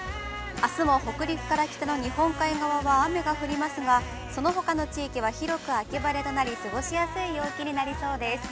あすも、北陸から北の日本海側は、雨が降りますが、そのほかの地域は、広く秋晴れとなり、過ごしやすい陽気になりそうです。